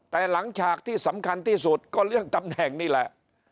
แต่หลังฉากที่สำคัญที่สุดก็เรื่องตำแหน่งนี่แหละ